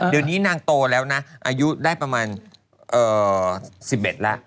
เดี๋ยวนี้นางโตแล้วนะอายุได้ประมาณ๑๑แล้ว